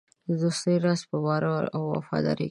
د دوستۍ راز په باور او وفادارۍ کې دی.